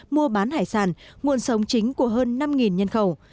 mua bán hải sản nguồn sống chính của hơn năm nhân khẩu